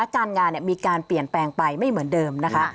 การงานมีการเปลี่ยนแปลงไปไม่เหมือนเดิมนะคะ